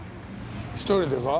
１人でか？